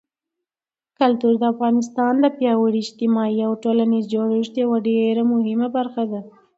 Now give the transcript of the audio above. کلتور د افغانستان د پیاوړي اجتماعي او ټولنیز جوړښت یوه ډېره مهمه برخه ده.